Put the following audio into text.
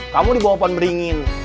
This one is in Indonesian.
kamu di bawah pohon beringin